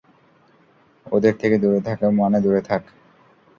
ওদের থেকে দূরে থাক মানে দূরে থাক!